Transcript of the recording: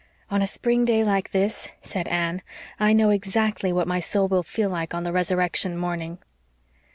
"On a spring day like this," said Anne, "I know exactly what my soul will feel like on the resurrection morning."